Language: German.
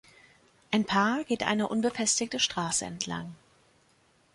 Ein Paar geht eine unbefestigte Straße entlang.